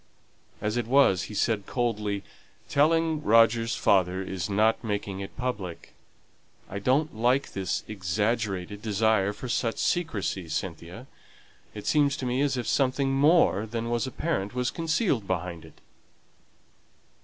As it was, he said, coldly, "Telling Roger's father is not making it public. I don't like this exaggerated desire for such secrecy, Cynthia. It seems to me as if something more than is apparent was concealed behind it."